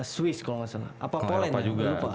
suis kalau gak salah apa polen ya